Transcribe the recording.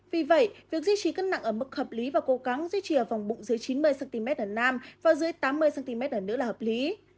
vì vậy việc duy trì cân nặng ở mức hợp lý và cố gắng duy trì ở vòng bụng dưới chín mươi cm ở nam và dưới tám mươi cm ở nữ là hợp lý